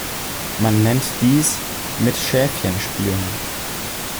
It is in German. Man nennt dies: „"mit Schäfchen spielen"“.